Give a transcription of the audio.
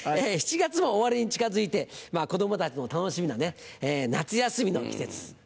７月も終わりに近づいて子供たちの楽しみな夏休みの季節。